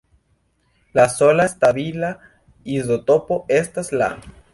La sola stabila izotopo estas La.